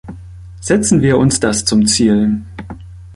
Setzen wir uns das zum Ziel.